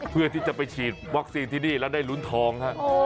เพื่อที่จะไปฉีดวัคซีนที่นี่แล้วได้ลุ้นทองฮะ